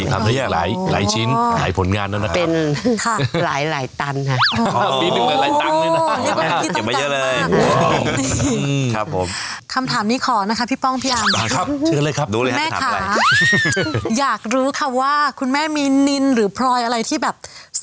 ทำได้หลายชิ้นหลายผลงานนั้นนะครับ